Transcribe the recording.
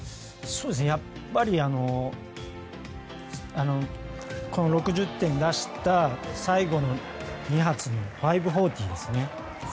やっぱりこの６０点を出した最後の２発の５４０ですね。